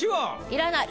いらない！